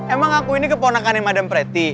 emang aku ini keponakannya madam preti